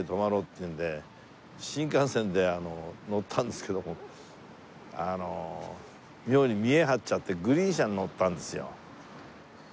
新幹線であの乗ったんですけどもあの妙に見栄張っちゃってグリーン車に乗ったんですよ。